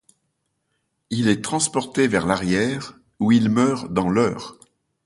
Il est transporté vers l'arrière, où il meurt dans l'heure.